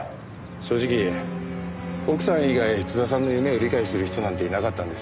正直奥さん以外津田さんの夢を理解する人なんていなかったんです。